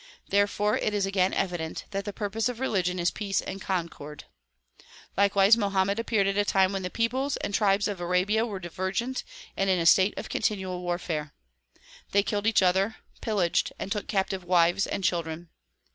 Therefore it is again evident that the purpose of religion is peace and concord. Likewise Mo hammed appeared at a time when the peoples and tribes of Arabia were divergent and in a state of continual warfare. They killed each other, pillaged, and took captive wives and children.